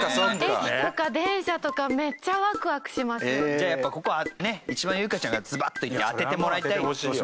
じゃあやっぱここはねユイカちゃんがズバッと言って当ててもらいたいよ。